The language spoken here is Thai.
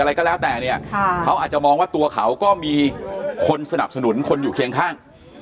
อะไรก็แล้วแต่เนี่ยเขาอาจจะมองว่าตัวเขาก็มีคนสนับสนุนคนอยู่เคียงข้าง